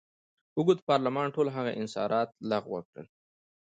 اوږد پارلمان ټول هغه انحصارات لغوه کړل.